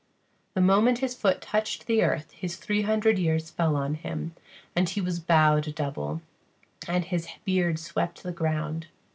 The moment his foot touched the earth his three hundred years fell on him, and he was bowed double, and his beard swept the ground.